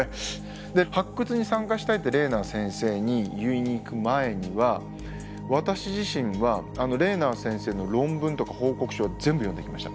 で発掘に参加したいってレーナー先生に言いに行く前には私自身はレーナー先生の論文とか報告書を全部読んでいきました。